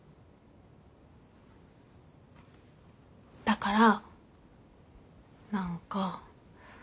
だから何か。